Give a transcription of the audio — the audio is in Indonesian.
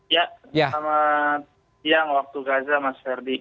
ya selamat siang waktu gaza mas ferdi